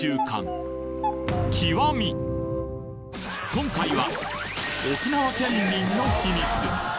今回は沖縄県民の秘密